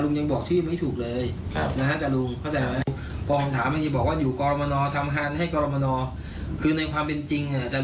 เราไม่เคยเห็นมีใครมาอ้างรักษาแบบนี้กับเรา